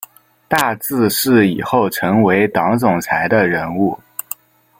大字是以后成为党总裁的人物